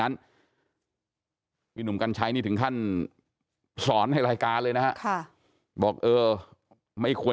พี่หนุ่มกัญชัยนี่ถึงขั้นสอนในรายการเลยนะฮะบอกเออไม่ควร